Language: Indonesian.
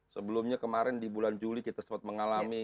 sebelumnya kemarin di bulan juli kita sempat mengalami